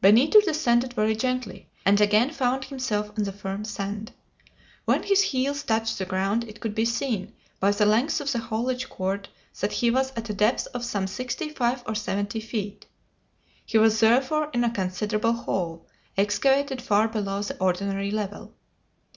Benito descended very gently, and again found himself on the firm sand. When his heels touched the ground it could be seen, by the length of the haulage cord, that he was at a depth of some sixty five or seventy feet. He was therefore in a considerable hole, excavated far below the ordinary level.